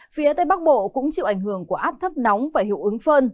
phía tây bắc bộ cũng chịu ảnh hưởng của áp thấp nóng và hiệu ứng phơn